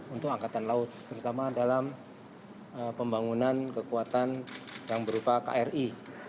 untuk angkatan laut terutama dalam pembangunan kekuatan yang berupa kri